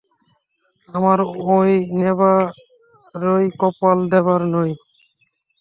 আমার ঐ নেবারই কপাল, দেবার নয়।